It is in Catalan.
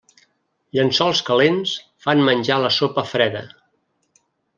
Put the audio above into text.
Llençols calents fan menjar la sopa freda.